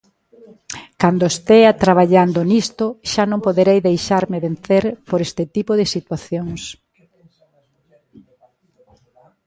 Cando estea traballando nisto, xa non poderei deixarme vencer por este tipo de situacións.